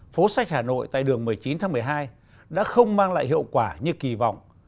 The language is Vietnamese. phố sách hà nội tại đường một mươi chín tháng một mươi hai đã không mang lại hiệu quả như kỳ vọng